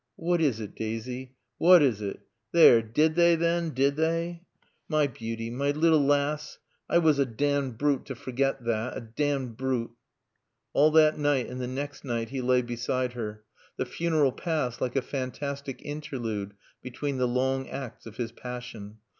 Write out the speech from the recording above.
"What is it, Daasy what is it? There, did they, then, did they? My beauty my lil laass. I I wuss a domned brute to forget tha, a domned brute." All that night and the next night he lay beside her. The funeral passed like a fantastic interlude between the long acts of his passion.